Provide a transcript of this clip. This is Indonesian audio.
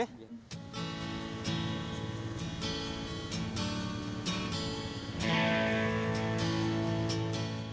sehat terus ya